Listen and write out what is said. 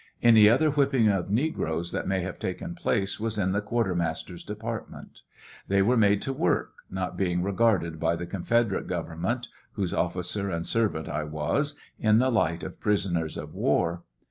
Any other whipping of negroes that mai have taken place was in the quartermaster's department. They were made ti work, not being regarded by the confederate government, whose officer anc servant I was, in the light of prisoners of war.